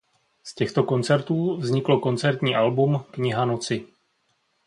Z těchto koncertů vzniklo koncertní album "Kniha noci".